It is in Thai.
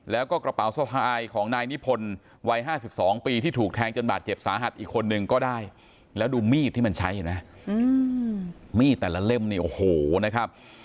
แล้วก็กระเป๋าสะพายของนายนิพนธ์วัย๕๒ปีที่ถูกแทงจนบาดเจ็บสาหัสอีกคนนึงก็ได้แล้วดูมีดที่มันใช้เห็นไหมมีดแต่ละเล่มเนี่ยโอ้โหนะครับ